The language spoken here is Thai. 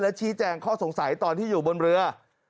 ชี้แจงข้อสงสัยตอนที่อยู่บนเรือ